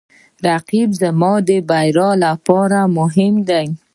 رقیب زما د بریا لپاره مهم دی